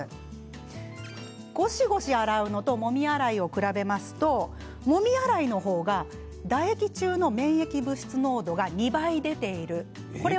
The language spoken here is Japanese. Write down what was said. ゴシゴシ洗うのともみ洗いを比べますともみ洗いの方が唾液中の免疫物質濃度が２倍出ているんです。